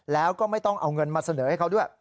แล้วก็ไม่ต้องเอาเงินมาเสนอให้เขาด้วย